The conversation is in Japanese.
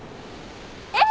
えっ！？